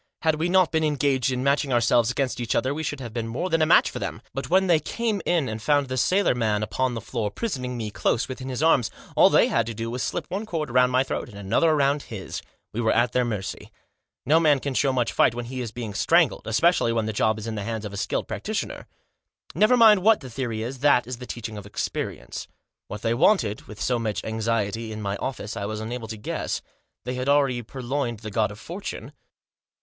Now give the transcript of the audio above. Had we not been engaged in matching ourselves against each other we should have been more than a match for them. But when they came in, and found the sailor man upon the floor Digitized by THE TRIO RETURN. 213 prisoning me close within his arms, all they had to do was to slip one cord round my throat, and another round his. We were at their mercy. No man can show much fight when he is being strangled ; especially when the job is in the hands of a skilled practitioner. Never mind what the theory is, that is the teaching of experience. What they wanted, with so much anxiety, in my office, I was unable to guess. They had already pur loined the God of Fortune.